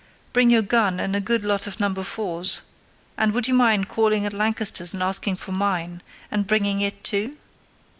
Bring your gun and a good lot of No. 4's; and would you mind calling at Lancaster's and asking for mine, and bringing it too?